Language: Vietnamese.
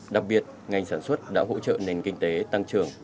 đặc biệt ngành sản xuất đã hỗ trợ nền kinh tế tăng trưởng